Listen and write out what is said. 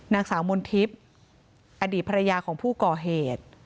นางสาวมนทิพย์อดีตภรรยาของผู้ก่อเหตุ